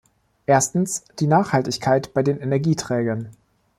Erstens, die Nachhaltigkeit bei den Energieträgern.